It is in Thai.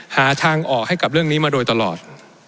หาทางออกให้กับเรื่องนี้มาโดยตลอด